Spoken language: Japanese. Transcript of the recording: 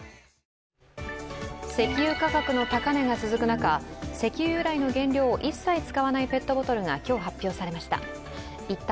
石油価格の高値が続く中、石油由来の原料を一切使わないペットボトルが今日、発表されました。